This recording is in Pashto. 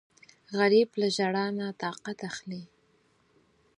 غریب له ژړا نه طاقت اخلي